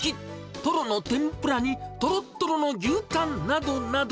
トロの天ぷらに、とろっとろの牛タンなどなど。